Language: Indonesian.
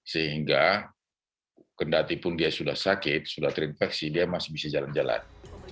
sehingga kendatipun dia sudah sakit sudah terinfeksi dia masih bisa jalan jalan